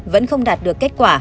vẫn không đạt được kết quả